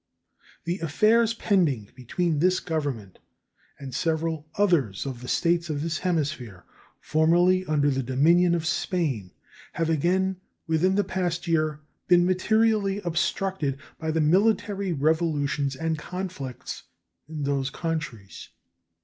The affairs pending between this Government and several others of the States of this hemisphere formerly under the dominion of Spain have again within the past year been materially obstructed by the military revolutions and conflicts in those countries.